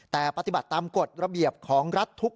แต่ปฏิบัติตามกฎระเบียบของรัฐทุก